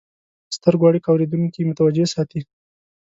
د سترګو اړیکه اورېدونکي متوجه ساتي.